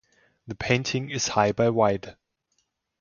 The painting is high by wide.